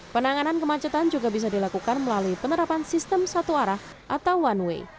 penanganan kemacetan juga bisa dilakukan melalui penerapan sistem satu arah atau one way